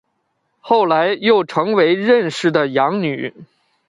后来又成为任氏的养女。